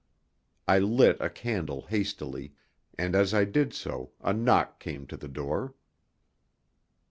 I lit a candle hastily, and as I did so a knock came to the door.